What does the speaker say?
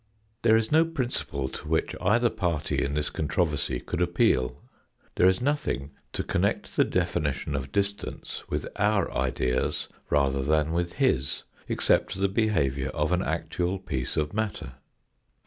There is no principle to which either party in this controversy could appeal. There is nothing to connect the definition of distance with our ideas rather than with his, except the behaviour of an actual piece of matter.